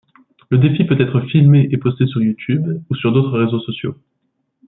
Le défi peut être filmé et posté sur YouTube ou sur d'autres réseaux sociaux.